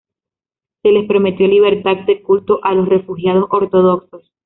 Se les prometió libertad de culto a los refugiados ortodoxos.